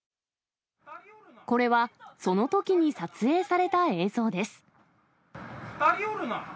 これは、そのときに撮影された映２人おるな。